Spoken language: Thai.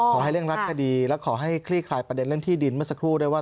ขอให้เร่งรัดคดีและขอให้คลี่คลายประเด็นเรื่องที่ดินเมื่อสักครู่ด้วยว่า